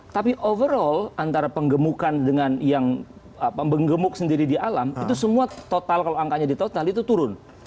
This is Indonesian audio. tapi overall antara penggemukan dengan yang menggemuk sendiri di alam itu semua total kalau angkanya di total itu turun